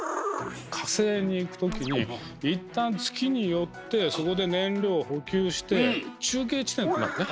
火星に行く時に一旦月に寄ってそこで燃料を補給して中継地点となるね。